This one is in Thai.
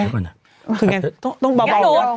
ว่าไงต้องบ่าบอก